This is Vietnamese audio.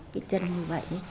cái chân như vậy